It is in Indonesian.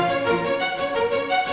udah ngeri ngeri aja